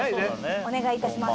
お願いいたします。